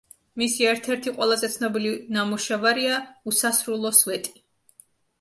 მისი ერთ-ერთი ყველაზე ცნობილი ნამუშევარია „უსასრულო სვეტი“.